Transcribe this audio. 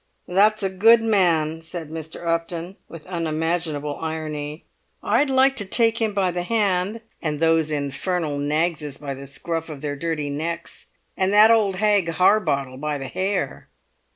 "That's a good man!" said Mr. Upton, with unimaginable irony. "I'd like to take him by the hand—and those infernal Knaggses by the scruff of their dirty necks—and that old hag Harbottle by the hair!"